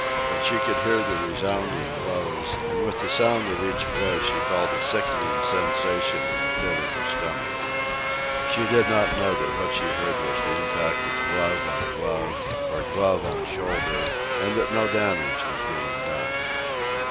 But she could hear the resounding blows, and with the sound of each blow she felt a sickening sensation in the pit of her stomach. She did not know that what she heard was the impact of glove on glove, or glove on shoulder, and that no damage was being done.